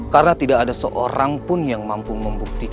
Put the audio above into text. karena tidak ada seorang pun yang mampu membuktikan